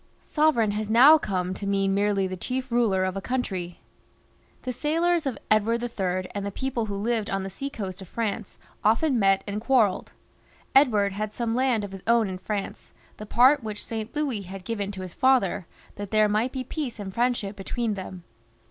Sovereign has now come to mean merely the chief ruler of a country. The sailors of Edward III. and the people who lived on the sea coast of France often met and quarrelled. Edward had some land of his own in France, the part which St. Louis had given to his father, that there might be peace and friendship between them.